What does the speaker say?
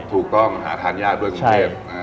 ถูกต้องหาทานญาติด้วยกรุงเทพ